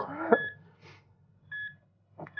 kamu akan sembuh